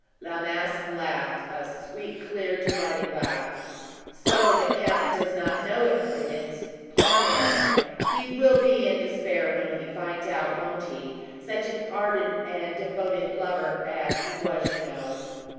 La Masque laughed a sweet, clear, deriding laugh, "So the count does not know it, Prudence? Poor man! he will be in despair when he finds it out, won't he? Such an ardent and devoted lover as he was you know!"